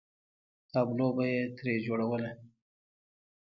تابلو به یې ترې جوړوله.